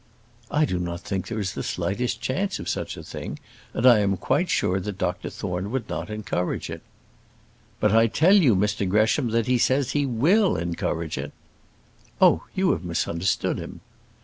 "I do not think there is the slightest chance of such a thing; and I am quite sure that Dr Thorne would not encourage it." "But I tell you, Mr Gresham, that he says he will encourage it." "Oh, you have misunderstood him."